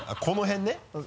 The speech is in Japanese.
この辺ね？